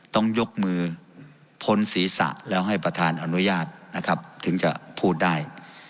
ต้องยกมือพ้นศีรษะแล้วให้ประธานอนุญาตนะครับถึงจะพูดได้